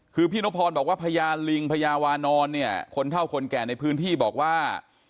คือพี่นพรบอกว่าพยานลิงพญาวานอนเนี่ยคนเท่าคนแก่ในพื้นที่บอกว่า